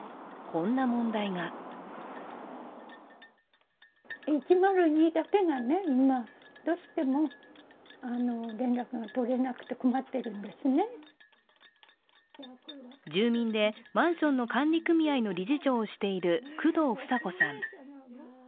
こんな問題が住民でマンションの管理組合の理事長をしている工藤房子さん。